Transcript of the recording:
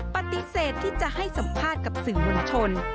ปฏิเสธที่จะให้สัมภาษณ์กับสื่อมวลชน